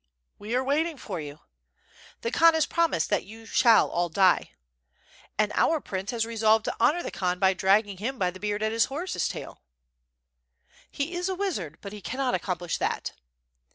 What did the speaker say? "We are waiting for you." "The Khan has promised that you shall all die." "And our prince has resolved to honor the Khan by drag ging him by the beard at his horse's tail." "He is a wizard, but he cannot accomplish that."